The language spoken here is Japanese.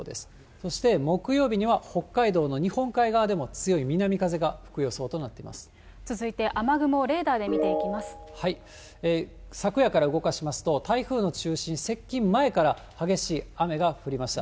そして木曜日には北海道の日本海側でも強い南風が吹く予想となっ続いて、雨雲をレーダーで見昨夜から動かしますと、台風の中心、接近前から激しい雨が降りました。